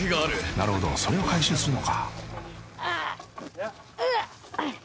［なるほどそれを回収するのか］